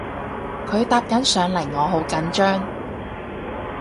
佢搭緊上嚟我好緊張